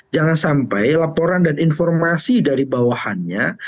jangan sampai laporan dan informasi dari bawahannya